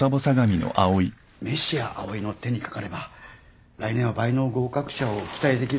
メシア藍井の手にかかれば来年は倍の合格者を期待できる。